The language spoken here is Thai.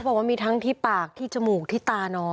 บอกว่ามีทั้งที่ปากที่จมูกที่ตาน้อง